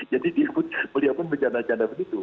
jadi beliau pun berjanda janda begitu